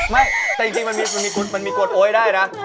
ไม่แต่จริงมันมีกดโอ๊ยได้นะ